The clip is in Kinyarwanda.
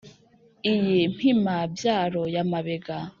iyi mpima-byaro ya mabega,